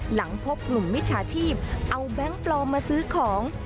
หลังพบกลุ่มมิจฉาชีพเอาแบงค์ปลอมมาซื้อของ